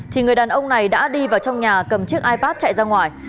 thì người đàn ông này đã đi vào trong nhà cầm chiếc ipad chạy ra ngoài